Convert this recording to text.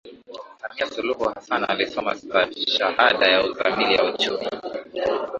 Samia Suluhu Hassan alisoma stashahada ya Uzamili ya Uchumi